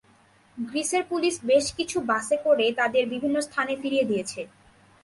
গ্রিসের পুলিশ বেশ কিছু বাসে করে তাঁদের বিভিন্ন স্থানে ফিরিয়ে দিয়েছে।